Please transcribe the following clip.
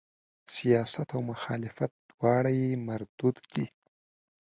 سیاست او مخالفت دواړه یې مردود دي.